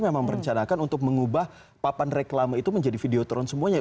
memang merencanakan untuk mengubah papan reklama itu menjadi videotron semuanya